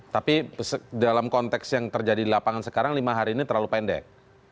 tapi dalam konteks yang terjadi di lapangan sekarang lima hari ini terlalu pendek